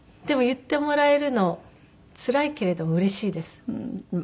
でも言ってもらえるのつらいけれどもうれしいです。